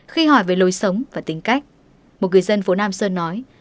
khi hỏi về lối sống và tính cách một người dân phố nam sơn nói